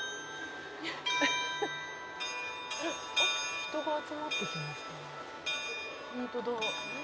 「人が集まってきましたね」